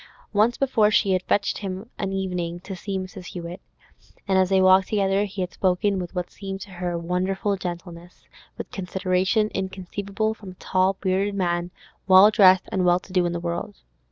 Once before she had fetched him of an evening to see Mrs. Hewett, and as they walked together he had spoken with what seemed to her wonderful gentleness, with consideration inconceivable from a tall, bearded man, well dressed, and well to do in the world.